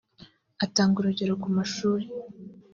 atanga urugero ku mashuri